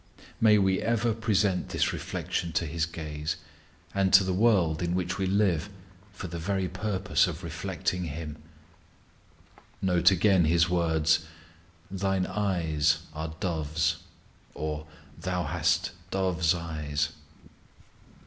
May we ever present this reflection to His gaze, and to the world in which we live for the very purpose of reflecting Him. Note again His words: Thine eyes are as dove's, or Thou hast dove's eyes.